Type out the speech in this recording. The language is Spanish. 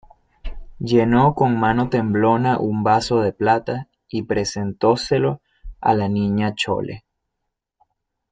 llenó con mano temblona un vaso de plata, y presentóselo a la Niña Chole